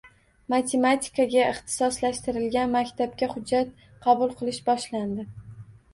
Matematikaga ixtisoslashtirilgan maktabga hujjat qabul qilish boshlandi